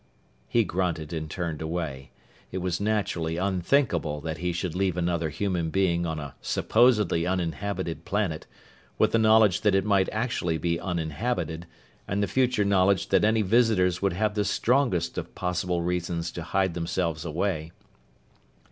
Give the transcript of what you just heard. He grunted and turned away. It was naturally unthinkable that he should leave another human being on a supposedly uninhabited planet, with the knowledge that it might actually be uninhabited, and the future knowledge that any visitors would have the strongest of possible reasons to hide themselves away.